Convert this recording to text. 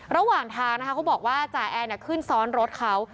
ระหว่างทางนะคะเขาบอกว่าจ่าแอนขึ้นซ้อนรถเขา